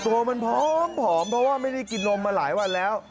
ตัวมันผอมเพราะว่าไม่ได้กินนมมาหลายวันแล้ว